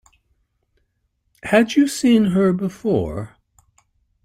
Had you seen her before?